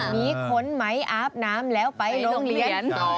มีขนไหมอาบน้ำแล้วไปโรงเรียน